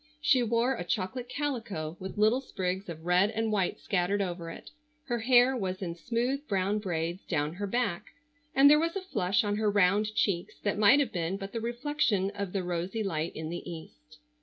She wore a chocolate calico with little sprigs of red and white scattered over it, her hair was in smooth brown braids down her back, and there was a flush on her round cheeks that might have been but the reflection of the rosy light in the East.